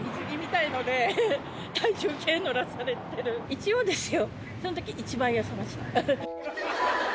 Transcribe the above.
一応ですよ。